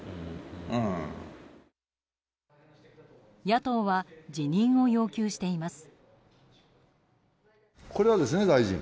野党は辞任を要求しています。